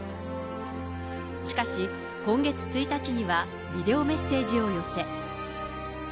しかし、今月１日にはビデオメッセージを寄せ。